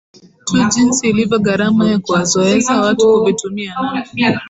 tu jinsi ilivyo gharama ya kuwazoeza watu kuvitumia na